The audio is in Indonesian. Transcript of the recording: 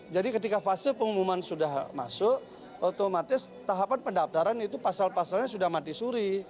jadi ketika fase pengumuman sudah masuk otomatis tahapan pendaptaran itu pasal pasalnya sudah mati suri